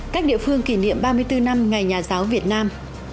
các địa phương kỷ niệm ba mươi bốn năm ngày nhà giáo việt nam